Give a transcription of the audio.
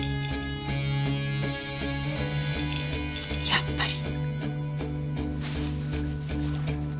やっぱり。